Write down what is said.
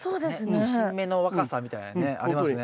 新芽の若さみたいなねありますね。